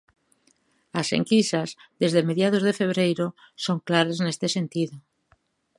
As enquisas, desde mediados de febreiro, son claras neste sentido.